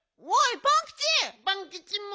おいパンキチ。